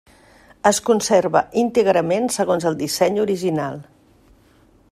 Es conserva íntegrament segons el disseny original.